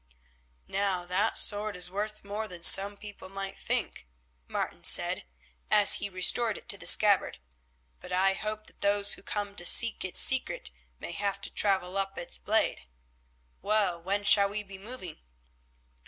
"Now that sword is worth more than some people might think," Martin said as he restored it to the scabbard, "but I hope that those who come to seek its secret may have to travel up its blade. Well, when shall we be moving?"